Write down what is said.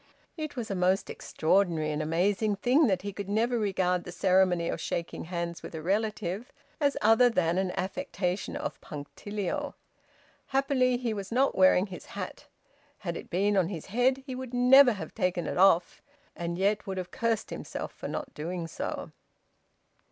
It was a most extraordinary and amazing thing that he could never regard the ceremony of shaking hands with a relative as other than an affectation of punctilio. Happily he was not wearing his hat; had it been on his head he would never have taken it off, and yet would have cursed himself for not doing so.